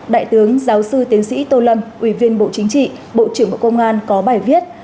đại tướng giáo sư tiến sĩ tô lâm ủy viên bộ chính trị bộ trưởng bộ công an có bài viết